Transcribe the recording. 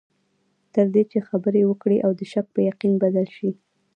تر دې چې خبرې وکړې او د شک په یقین بدل شي.